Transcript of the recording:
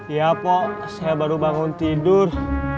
ya pok saya baru bangun tidur